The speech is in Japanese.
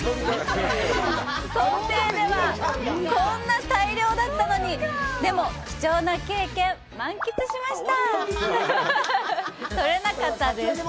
想定では、こんなに大漁だったのにでも、貴重な経験満喫しましたーー！！